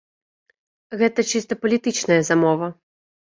Гэта чыста палітычная замова.